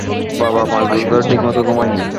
বাবা পাঁচ বছর ধরে ঠিকমত ঘুমায় নি।